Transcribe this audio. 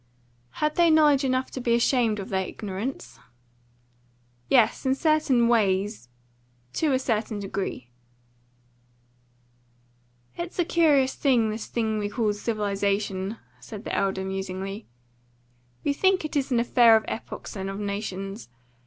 "Had they knowledge enough to be ashamed of their ignorance?" "Yes, in certain ways to a certain degree." "It's a curious thing, this thing we call civilisation," said the elder musingly. "We think it is an affair of epochs and of nations.